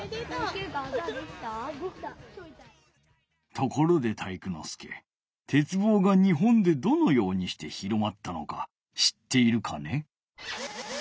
ところで体育ノ介鉄棒が日本でどのようにして広まったのか知っているかね？